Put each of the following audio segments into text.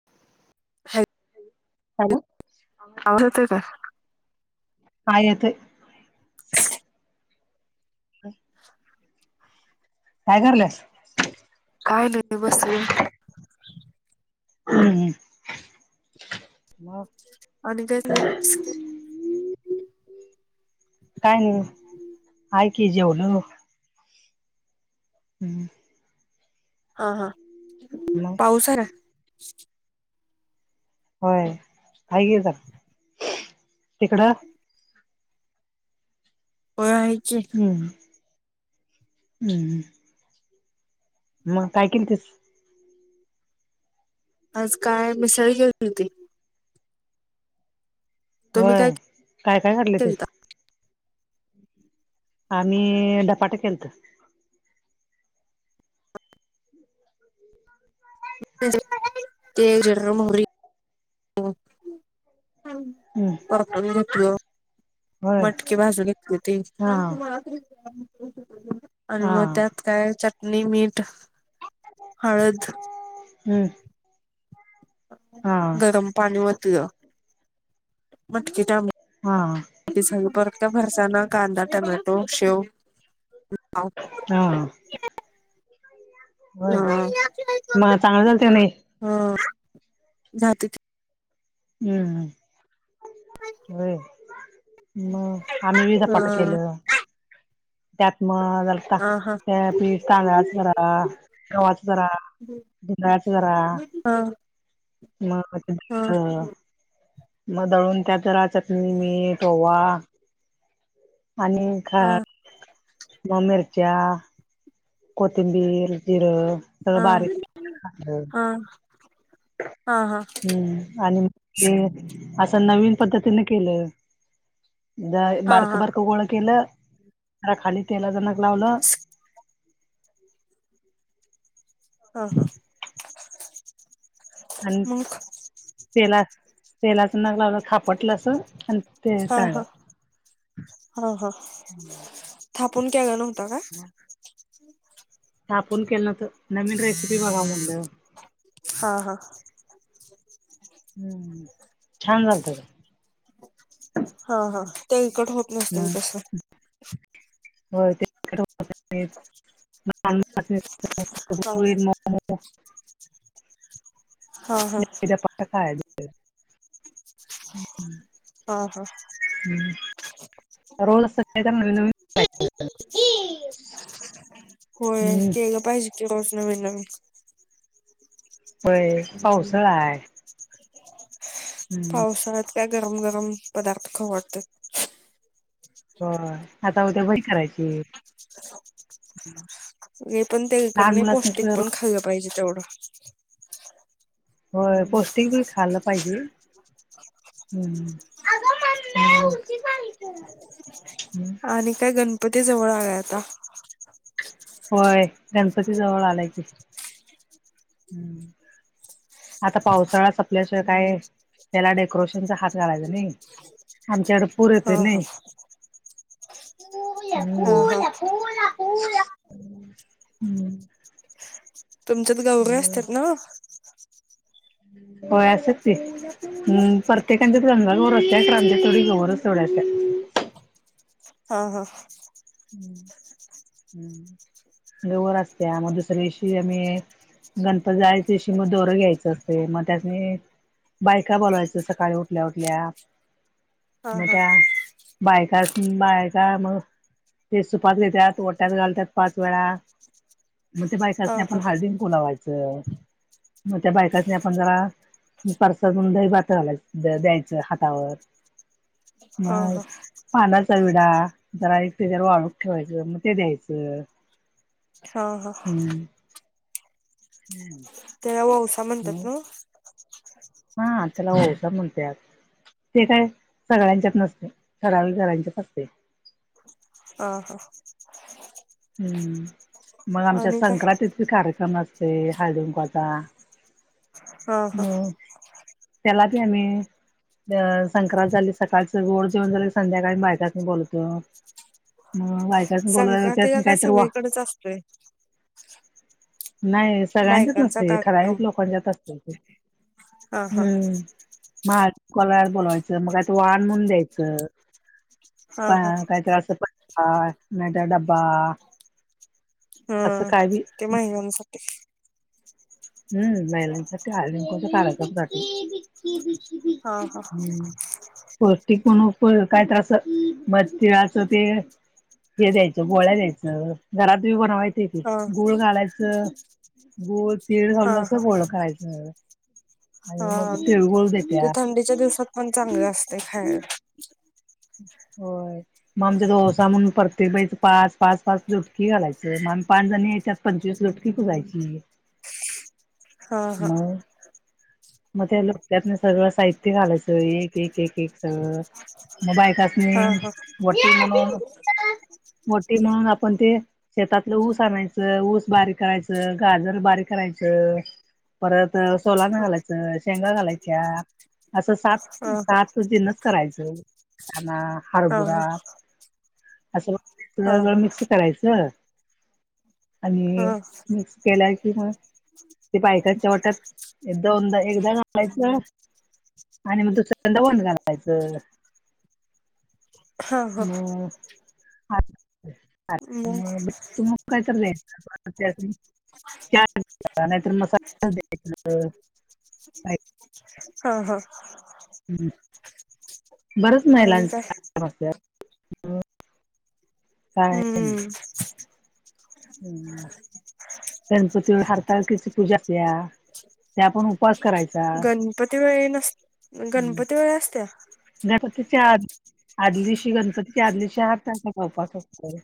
[unintelligible] Hello. आवज येतोय का? हा येतोय. [inaudible] [inaudible] काय करालीयास? काय नाही बसलोय हम्म, म? आणि तेच लय काय हाय की जेवलो. हम्म. हा हा मग पाऊसरा होय हाय की इथ. तिकडं? होय हो हाय की. हम्म हम्म. मग काय किलतीस? आज काय मिसाळ केली होती. तुम्ही काय होय काय काय घातल केलता? त्यात? आम्ही धपाटे केलत. [inaudible] ते जिर, मोहरी [inaudible] हम्म परतून घेतलो. होय मटकी भाजून घेतली हुती. हा आणि हा म त्यात काय चटणी, मीठ, हळद हम्म. हा गरम पाणी वतल मटकीत आम्ही हा. [unintelligible] फरसाना, कांदा, टमॅटो शेव हा. होय हा मग चांगलं झालत का नाही हा जातीत. हम्म, होय. मग आम्ही बी धपाट हा केलं त्यात मग हा हा त्या पीठ तांदळाच जरा गव्हाच जरा जोंधळ्याच जरा. हां! मग तीत म दळून त्यात जरा चटणी मीठ ओवा. आणि खां हा दोन मिरच्या कोथिंबीर जिर. हा हा! हा हूं आणि ते असं नवीन पद्धतीने केलं. दाय हा बारक हा बारक गोळ केलं, जरा खाली तेलाच नक लावलं. हा हा! मंग. तेेला-तेेलाच नग लावलं, खापटलं अस आण ते तळल. हं हं थापून केला नव्हता काय. थापून केलं नव्हत, नवीन रेसिपी बघाव म्हनंलं. हा हा! हूं छान झालत का? हा हा तेलकट होत नसत मग की तसं. होय हा [unintelligible] [unintelligible] हा हा [unintelligible] [inaudible] ह हा! [unintelligible] होय हम्म केल पाहिजे की रोज नवीन, नवीन. व्हय पावसाळा आहे. हम्म पावसाळ्यात काय गरम गरम पदार्थ खावू वाटत्यात. होय आता उद्या भजी करायची. ये पन तेलकट लहान नही मुलासनी पौष्टिक कसं पण रोज खाल्लं पाहिजे तेवढं. होय पोस्टिकं बी खाल्लं पाहिजे. [inaudible] [unintelligible] आणि काय गणपती जवळ आले आता. होय गणपती जवळ आलाय की. हम्म [inaudible] आता पावसाळा सपल्याशिवाय काय त्याला डेकोरेशनचा हात घालायचा नही. आमच्याड हा हा! हा हा [unintelligible] तुमच्यात गौराय असत्यां त ना? होय अस्यात की. [unintelligible] हा हा! हेवर असत्यां, अ मग दुसऱ्या दिशी आम्ही गणपत जायच्या दिशी म दोरं घ्यायचं असतय मग त्यासनी बायका बोलावायच सकाळी उठल्या उठल्या. हा म हा त्या बायका सं, बायका म. ते सुपास घेत्यांत, ओट्यात घालतात पाच वेळा म ते हा बायकसनी हा आपण [unintelligible] फुलवायचं, मग त्या बायकासनी आपण जरा परसाद म्हणून दही, भात घालायचं द्यायचं हातावर हा मग हा पानाचा विडा, जरा एक ते जर वाळूक ठेवायचं मग ते द्यायचं हं, हं. हं, हं. त्याला ववसा म्हणतात नाहो. हा त्याला ओवसा म्हणतात. ते काय सगळ्यांच्यात नसतं. ठराविक घरांच्यात असतंय. हं, हं. हं, मग आमच्यात आणि काय संक्रांतीचा हळदी-कुंकवाचा कार्यक्रम असतोय हा हा मग प्याला [inaudible] आम्ही संक्रांत झाली, सकाळचं गोड जेवण झालं, संध्याकाळी बायकांसनी मी बोलवतेव. हं बायकांसनी बोलवल संक्रांतीला त्यासनी काय कायतरी वा सगळीकडेच असतोय नाही सगळ्यांच्यात बायकांचा नसतंय, कार्यक्रम ठराविक लोकांच्यात असतं. हा हा हं महाड कोणाला बोलवायचं मग आता वाण म्हणुन द्यायचं हा हा काय तर अस. [inaudible] नाहीतर डबा. हं ते महिलांसाठी. हं महिलांसाठी हळदीकुकंवाचा कार्यक्रम. हा, हा. हम्म पौष्टिक पण काय तर मग तीळाचं ते. हे द्यायचं गोळ्या द्यायचं घरात ही बनवायच. ते हा गुळ घालायचं गुळ, तीळ हा घालून असं हा गोळ करायचं. आणि मग हा तिळगुळ ते देत्यात थंडीच्या दिवसात पण चांगलं असतंय खायला. होय. मग आमच्या ओवसा म्हणून प्रत्येक बाईच पाच-पाच-पाच लुटकी घालायचं मग आम्ही पाच जनी याच्यात - पंचवीस लुटकी पुंजायची. [inaudible] हा हा मग? मग त्या लोटक्यातन थोडक्यात सगळं साहित्य घालायचं एक-एक-एक-एक सगळं मग बायका. हा हं हा वटी म्हणून. [inaudible] वटी म्हणून आपण ते. शेतातलं ऊस आणायचं, ऊस बारीक करायचं, गाजर बारीक करायचं. परत सोलानं घालायचं, शेंगा घालायच्या असं सात हा सात जिन्नस करायचं वटाना, हा हरभरा असं. हा हा सगळं मिक्स करायचं. आणि हा हा मिक्स केल्या कि मग. ते बायकांच्या वट्यात दोनदा-एकदा घालायचं. आणि मग दुसऱ्यांदा वण घालायचं. हा हा मग..... आ मग तू मग काय चाललंय? [inaudible] नाहीतर मसाला द्यायच. ह [inaudible] हा हा हं बरच आणि काय महिलांच्या समस्या [inaudible] काय नाही. हम्म हमं गणपती हरतालिकीची पूजा असत्या, ते आपण उपवास करायच. गणपती वेळी नस, गणपती वेळी असत्या. गणपतीच्या आत आदली दिवशी गणपतीच्या आदलीदिवशी हरतालिकेचा उपवास असतो.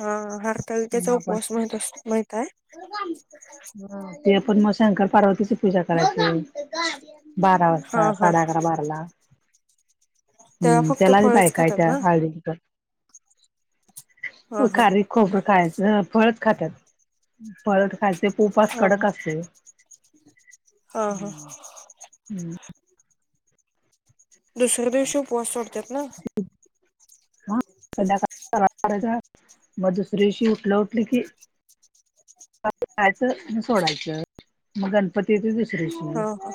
हा हरतालिकेचा मग आपण उपवास माहिती आहे? ते पण मग शंकर पार्वतीची पूजा करायची. बारा हा वाजता, हा साडे अकरा बाराला. तेव्हा हम्म फक्त त्याला आणि फळच बायका खातात येत्यात ना हळदी हा कुंकवाला. हा खारीक खोबर खायचं फळच खातात. फळच खायचे उपवास हा हा कडक असतो ओ हा हा हम्म हम्म दुसऱ्या दिवशी उपवास सोडतात ना? दुसऱ्या दिवशी उठले उठले की. खायचं सोडायचं मग गणपती येत दुसऱ्यादिवशी हा हा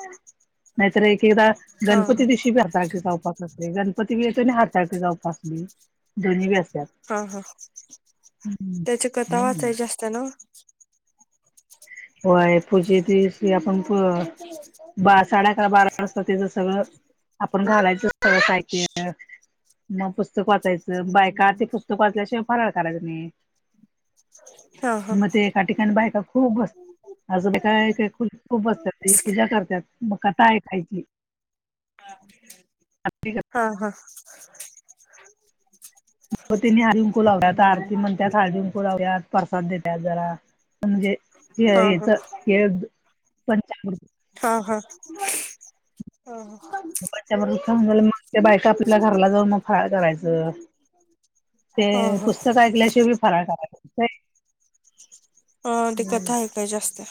नाहीतर एक एकदा हा हा गणपती दिवशी बी हरतालिकेचा उपवास असतो. गणपती पण येते आणि हरतालिकेचा उपवास बी दोन्ही पण असत्यात. हा हा त्याची कथा हम्म वाचायची असत्या न्हव. होय पुजेची [inaudible] आपण ब साडेअकरा बारा वाजता त्याच सगळं आपण घालायचं सगळ साहित्य मग पुस्तक वाचायचं बायका ते पुस्तक वाचल्याशिवाय फराळ करायचा नाही. [unintelligible] हा मग ते एका ठिकाणी बायका खूप बस असं काय खु खूप बसतात तुझ्या सारख्याच पूजा करतात मग कथा ऐकायची. मग हा हा तनी हळदीकुंकू लावत्यात, आरती म्हणतात हळदीकुंकू लावत्यात प्रसाद देतात जरा. हा हा म्हणजेेत के पंचाकृती हा हा हा [inaudible] मग त्या बायका आपल्या घराला जाऊन मग फराळ करायचं. ते हा पुस्तक ऐकल्याशिवाय फराळ करायचं अ ती हम्म कथा ऐकायची असत्या.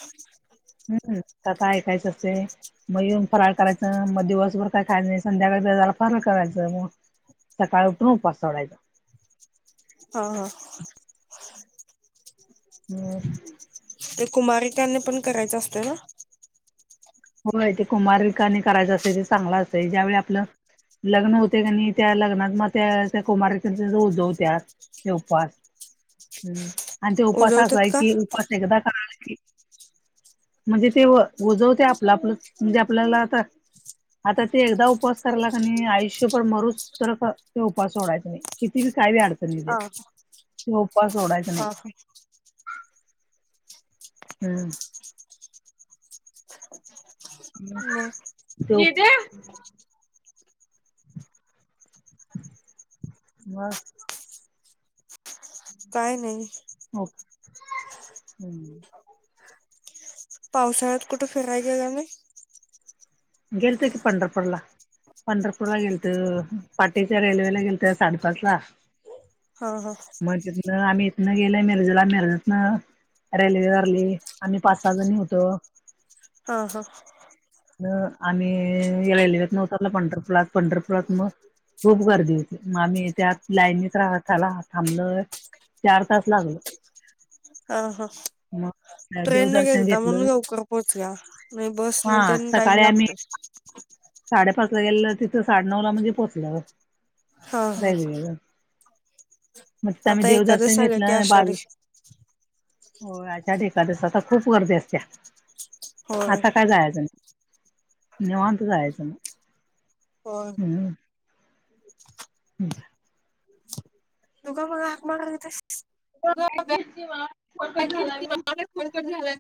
हम्म कथा ऐकायचं असते. मग येऊन फराळ करायचं मग दिवसभर काय खायच नाही संध्याकाळी जरा फराळ करायचं मग सकाळ उठून उपवास सोडायचा. हा हा [unintelligible] ते कुमारिकानी पण करायचं असतं ना. होय ते कुमारिकाणी करायचं असे ते चांगलं असतं ज्यावेळी आपलं लग्न होते क त्या लग्नात मग त्या त्या कुमारिकेच उजवत्यात. ते उपास हम्म आणि ते उपास असा उजवतात आहे का कि उपास एकदा म्हणजे ते उजवते आपलं आपलं म्हणजे आपल्याला आता- आता ते एकदा उपवास करला का नाही आयुष्यभर मरोस- सरत ते उपास सोडायच नाही, किती बी काय बी अडचणी येऊ दे, हा ते उपास सोडायच नाही. [inaudible] हम्म [inaudible] मग [unintelligible] बर काय नाही. हो हम् पावसाळ्यात कुठे फिरायला गेल्यानी? गेलत की पंढरपूरला. पंढरपूरला गेलत, पाटीच्या रेल्वेला गेलत साडेपाचला हा हा मग तिथन आम्ही इथन गेल मिरजेला मॅरेतन. रेल्वेवारली आम्ही पाच सहा जणी होतो. अ ह आम्ही रेल्वेने उतरलो पंढरपुरात, पंढरपुरात मग- खूप गर्दी होती मग आम्ही त्या लाईनीत राहताला थांबल. चार तास लागले. अ ह मग ट्रेनने देवदर्शन गेलता घेतलं म्हणून लवकर पोहोचल्या नाही बस हा न तेन टाईम लागतोय. [inaudible] साडेपाचला गेलेल तिथं साडे नऊला म्हणजे पोचल्यावर. हा हा मग ते आम्ही आता देवदर्शन एकादस आल्या की घेतलं मग आषाढी आलो. हो अशा ठिकाणी सतत खूप गर्दी असत्या. होय आता काय जायाचं नाही, निेवांत जायाचं. होय हम् [inaudible] तु का मला हाक मारली होतीस? गप ग- चिवा बातचीत काही होत तर नाही, फोन कट झालाय.